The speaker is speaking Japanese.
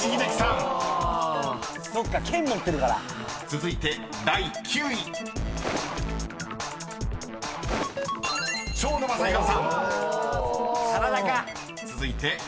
［続いて第８位は］